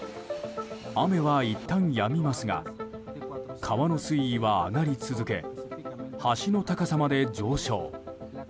雨はいったんやみますが川の水位は上がり続け橋の高さまで上昇。